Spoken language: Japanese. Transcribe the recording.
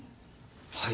はい。